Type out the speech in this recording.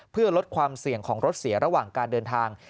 เพื่อลดความเสี่ยงของรถเสียระหว่างการเดินทาง